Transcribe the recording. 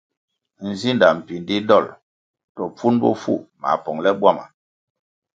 Nzinda mpindi dol to pfun bofu mā pongʼle bwama.